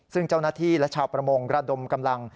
ซึ่งเจ้าหน้าที่และชาวประมงระดมกำลัง